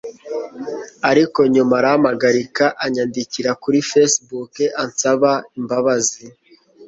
ariko nyuma arampagarika anyandikira kuri facebook ansaba imbabazi